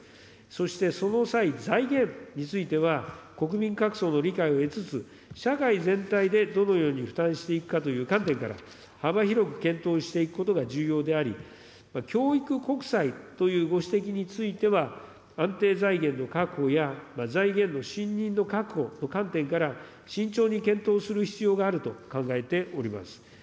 そして、その際、財源については、国民各層の理解を得つつ、社会全体でどのように負担していくかという観点から、幅広く検討していくことが重要であり、教育国債というご指摘については、安定財源の確保や、財源の信認の確保の観点から、慎重に検討する必要があると考えております。